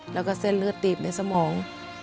แล้วก็เส้นเลือดตีบในสมอง